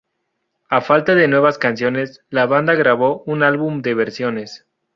A falta de nuevas canciones, la banda grabó un álbum de versiones.